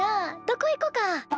どこ行こか。